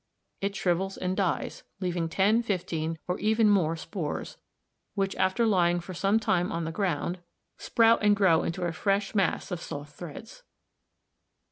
It shrivels and dies, leaving ten, fifteen, or even more spores, which, after lying for some time on the ground, sprout and grow into a fresh mass of soft threads.